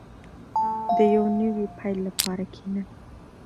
• د یو نوي پیل لپاره کښېنه.